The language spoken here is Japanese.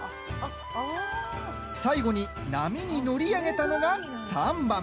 最後に波に乗り上げたのが３番。